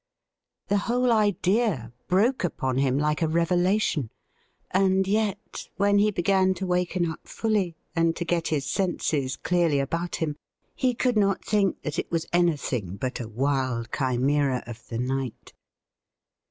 The whole idea broke upon him like a revelation, and yet, when he began to waken up fully and to get his senses clearly about him, he could not think that it was anything but a wild chimera of the night.